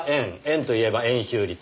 円といえば円周率。